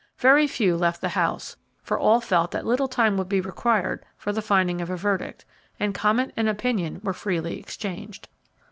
Very few left the house, for all felt that little time would be required for the finding of a verdict, and comment and opinion were freely exchanged.